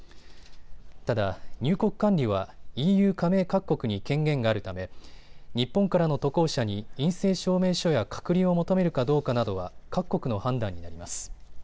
ただ入国管理はＥＵ加盟各国に権限があるため日本からの渡航者に陰性証明書や隔離を求めるかどうかなどは各国の判断になります。